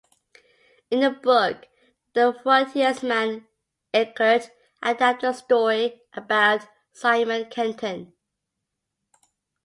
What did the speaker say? In the book The Frontiersman, Eckert adapted this story about Simon Kenton.